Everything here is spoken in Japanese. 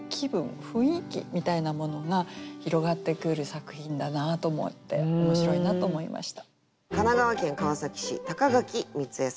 雰囲気みたいなものが広がってくる作品だなと思って面白いなと思いました。